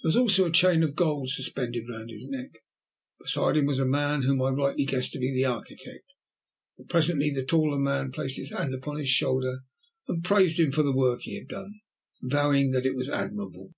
There was also a chain of gold suspended round his neck. Beside him was a man whom I rightly guessed to be the architect, for presently the taller man placed his hand upon his shoulder and praised him for the work he had done, vowing that it was admirable.